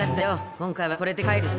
今回はこれで帰るさ。